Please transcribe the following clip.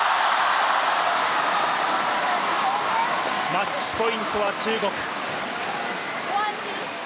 マッチポイントは中国。